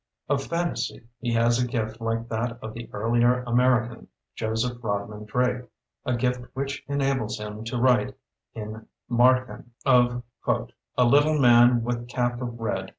Of fantasy he has a gift like that of the earlier American, Joseph Rod man Drake — ^a gift which enables him to write, in "Mfirchen", of A little man with cap of red.